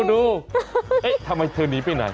เฮ้ทำไมเธอนี้ไปไหน